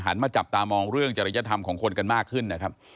มาจับตามองเรื่องจริยธรรมของคนกันมากขึ้นนะครับ